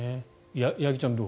八木ちゃんどう？